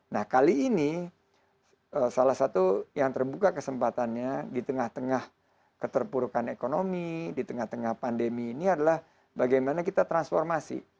nah kali ini salah satu yang terbuka kesempatannya di tengah tengah keterpurukan ekonomi di tengah tengah pandemi ini adalah bagaimana kita transformasi